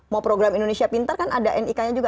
mau program indonesia pintar kan ada nik nya juga